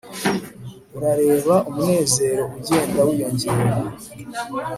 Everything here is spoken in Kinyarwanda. Urareba umunezero ugenda wiyongera